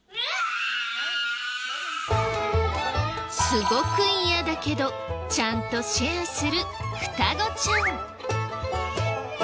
すごく嫌だけどちゃんとシェアする双子ちゃん。